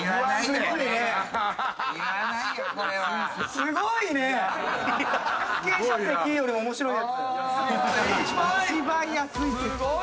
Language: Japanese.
すごいわ！